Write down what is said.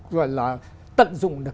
gọi là tận dụng được